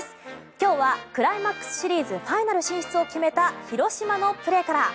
今日はクライマックスシリーズファイナル進出を決めた広島のプレーから。